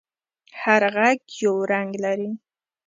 هر غږ یو رنگ لري.